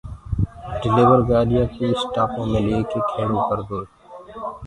ڊليور گآڏِيآ ڪو اسٽآپو مي ليڪي کيڙو ڪردوئي